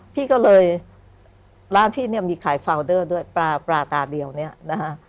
พี่ก็เลยร้านพี่เนี่ยมีขายฟาวเดอร์ด้วยปลาปลาตาเดียวเนี่ยนะฮะ